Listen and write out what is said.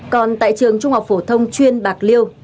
còn tại trường trung học phổ thông chuyên bạc liêu